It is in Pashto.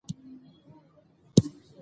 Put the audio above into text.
د خلکو زړونه دغو دروغو اتلانو ته کېږي.